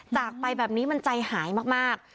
จากไปแบบนี้มันใจหายมาก